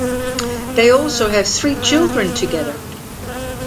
They also have three children together.